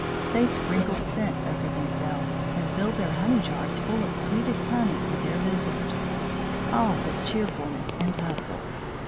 They sprinkled scent over themselves, and filled their honey jars full of sweetest honey for their visitors. All was cheerfulness and hustle.